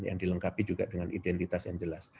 yang dilengkapi juga dengan identitas yang jelas